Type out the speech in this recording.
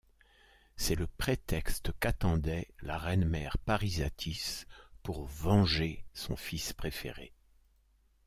C'est le prétexte qu'attendait la reine-mère Parysatis pour venger son fils préféré.